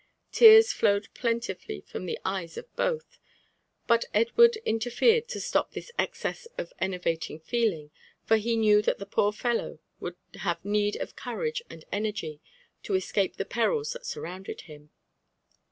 Tears flowed plentifully from the eyes of both ; but Edward in terfered to stop this excess of enervating feeling, for he knew that the poor fellow would have need of courage and energy to escape the perils that surrounded him.